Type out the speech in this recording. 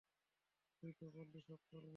তুইতো বললি সব করবি?